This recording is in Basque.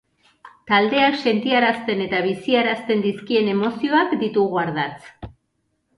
Taldeak sentiarazten eta biziarazten dizkien emozioak ditugu ardatz.